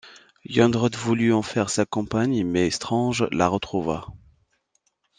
Yandroth voulut en faire sa compagne mais Strange la retrouva.